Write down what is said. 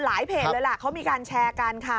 เพจเลยล่ะเขามีการแชร์กันค่ะ